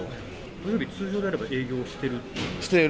土曜日通常であれば営業している？